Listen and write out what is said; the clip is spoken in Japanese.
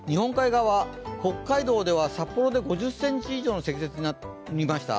北海道で５０ｃｍ以上の積雪になりました。